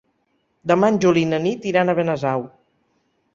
Demà en Juli i na Nit iran a Benasau.